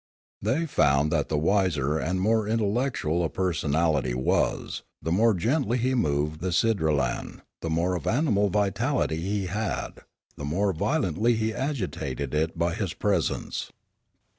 They found that the wiser and more intellec tual a personality was, the more gently he moved the sidralan; the more of animal vitality he had, the more violently he agitated it by his presence.